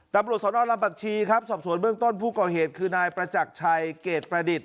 ตำรวจสนลำบักชีครับสอบสวนเบื้องต้นผู้ก่อเหตุคือนายประจักรชัยเกรดประดิษฐ